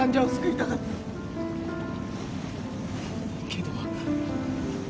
けど